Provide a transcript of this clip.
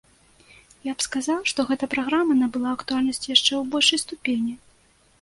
Я б сказаў, што гэта праграма набыла актуальнасць яшчэ ў большай ступені.